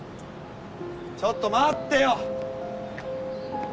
ちょっと待ってよ！